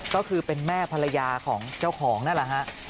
ก็คือเป็นแม่ภรรยาของเจ้าของนั่นแหละฮะ